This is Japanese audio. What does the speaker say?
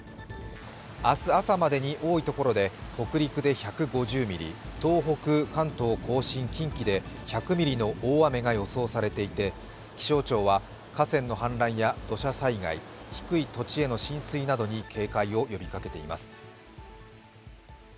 明日朝までに多いところで北陸で１５０ミリ東北、関東甲信・近畿で１００ミリの大雨が予想されていて気象庁は河川の氾濫や土砂災害、低い土地への浸水などに警戒を呼びかけています。